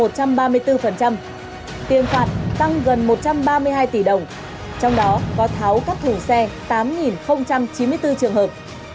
tiền phạt tăng gần một trăm ba mươi hai tỷ đồng trong đó có tháo các thủ xe tám chín mươi bốn trường hợp